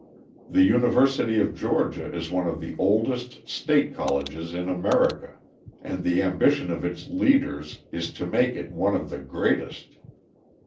The University of Georgia is one of the oldest state colleges in America, and the ambition of its leaders is to make it one of the greatest.